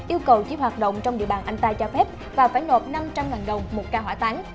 yêu cầu chỉ hoạt động trong địa bàn anh ta cho phép và phải nộp năm trăm linh đồng một ca hỏa tán